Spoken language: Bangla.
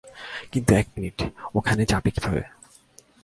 কিন্তু এক মিনিট, ওখানে যাবো কীভাবে?